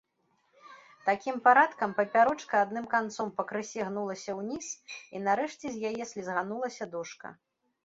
Такім парадкам папярочка адным канцом пакрысе гнулася ўніз, і нарэшце з яе слізганулася дошка.